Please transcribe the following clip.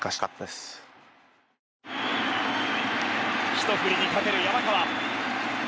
ひと振りに懸ける山川。